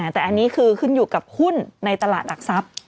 แต่อันนี้คือขึ้นอยู่กับหุ้นในตลาดหลักทรัพย์